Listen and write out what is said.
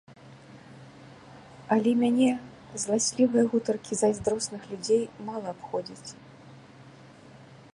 Але мяне зласлівыя гутаркі зайздросных людзей мала абходзяць.